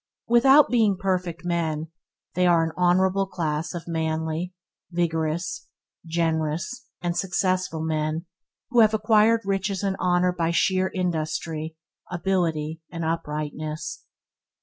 Without being perfect men, they are an honourable class of manly, vigorous, generous, and successful men, who have acquired riches and honour by sheer industry, ability and uprightness.